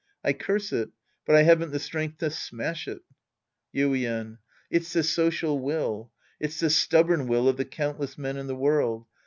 I curse it. But I haven't the strength to smash it. Yuien. It's the social will. It's the stubborn \\'ill of the countless men in the world.